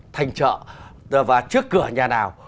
thành chợ và trước cửa nhà nào